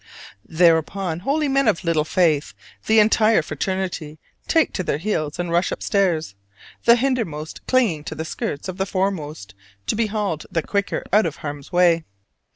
Thereupon, holy men of little faith, the entire fraternity take to their heels and rush upstairs, the hindermost clinging to the skirts of the formermost to be hauled the quicker out of harm's way.